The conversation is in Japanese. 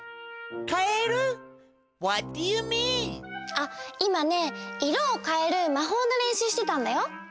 あっいまねいろをかえるまほうのれんしゅうしてたんだよ。